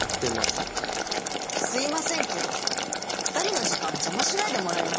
すいませんけど２人の時間邪魔しないでもらえます？